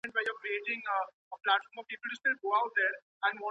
ایا حضوري ټولګي د آنلاین زده کړو په پرتله ډیر امکانات لري؟